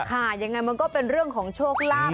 ค่ะยังไงมันก็เป็นเรื่องของโชคลาภ